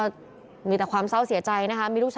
แต่มีความเศร้าเสียใจ